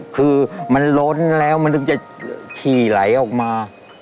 คือมันล้นแล้วมันถึงจะฉี่ไหลออกมา